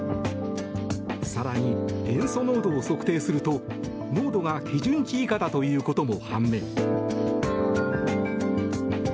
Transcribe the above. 更に塩素濃度を測定すると濃度が基準値以下だということも判明。